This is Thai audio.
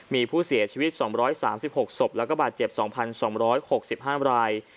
มีผู้เสียชีวิต๒๓๖ศพแล้วก็บาดเจ็บ๒๒๖๕ราย